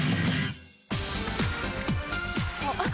あっ！